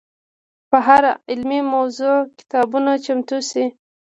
په هره علمي موضوع کتابونه چمتو شي.